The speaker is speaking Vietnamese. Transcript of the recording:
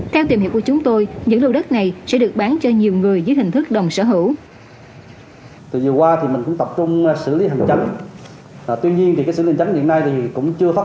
theo tìm hiểu của chúng tôi những lô đất này sẽ được bán cho nhiều người dưới hình thức đồng sở hữu